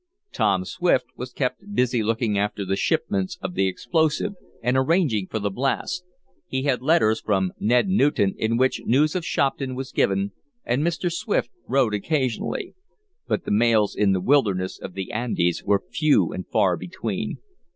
Tom Swift was kept busy looking after the shipments of the explosive, and arranging for the blasts. He had letters from Ned Newton in which news of Shopton was given, and Mr. Swift wrote occasionally. But the mails in the wilderness of the Andes were few and far between.